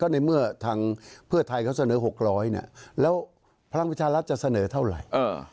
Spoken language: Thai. ในเมื่อทางเพื่อไทยเขาเสนอ๖๐๐เนี่ยแล้วพลังประชารัฐจะเสนอเท่าไหร่